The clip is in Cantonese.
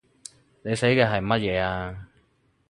你寫嘅係乜嘢呀